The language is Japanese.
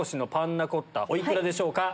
お幾らでしょうか？